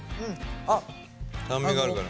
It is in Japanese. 酸味があるから。